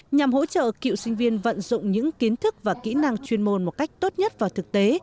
nhằm hỗ trợ cựu sinh viên vận dụng những kiến thức và kỹ năng chuyên môn một cách tốt nhất vào thực tế